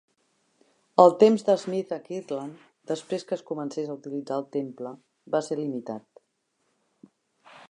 El temps d'Smith a Kirtland després que es comencés a utilitzar el temple va ser limitat.